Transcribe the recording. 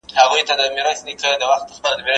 - عبدالجمیل جیحون، شاعر او څيړونکی.